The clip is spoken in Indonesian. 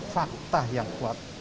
fakta yang kuat